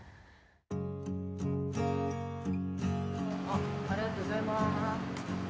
ありがとうございます。